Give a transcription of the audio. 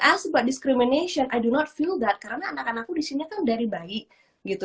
ask about discrimination i do not feel that karena anak anakku di sini kan dari bayi gitu